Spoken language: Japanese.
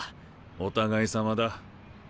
お互いさまだ。